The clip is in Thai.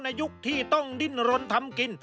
ยุคที่ต้องดิ้นรนทำกิน